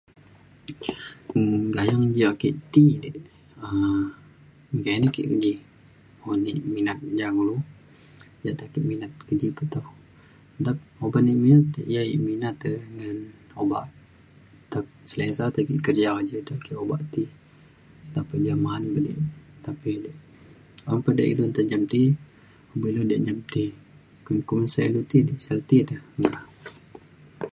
um gayeng ja ake ti dik um mekanik ek ke ji un ek minat ja kulu. ja te ke minat keji pe toh nta uban ek minat ya ek minat e ngan obak te selesa tekik ti kerja dek obak ake ti nta pe ja ma’an pedik tapi un pa da ilu nta njam ti un pe ilu de mencam ti kumin kumin sek le ti dik, sek le ti de meka